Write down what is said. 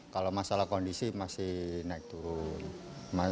kalau masalah kondisi masih naik turun